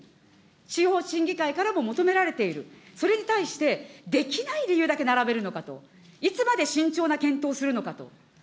地方審議会からも求められている、それに対してできない理由だけ並べるのかと、いつまで慎重な検討をするのかと。